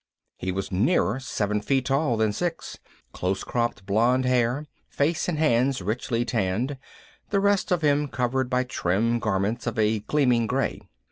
He was nearer seven feet tall than six, close cropped blond hair, face and hands richly tanned, the rest of him covered by trim garments of a gleaming gray.